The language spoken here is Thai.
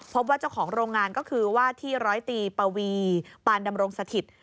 พบว่าเจ้าของโรงงานก็คือว่าที่ร้อยตีปวีปานดำรงสถิต